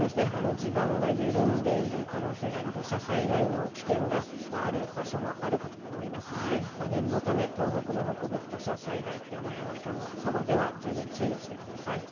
地盤が緩んでいる可能性があり、土砂災害の危険がある場所もあるかと思いますので、念のため、東北の北部、土砂災害、山や崖のそばでは十分注意をしてください。